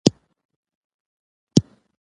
خوړل د ستړیا مخه نیسي